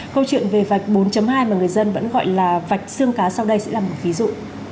câu chuyện về vạch bốn hai mà người dân vẫn gọi là vạch xương cá sau đây sẽ là một ví dụ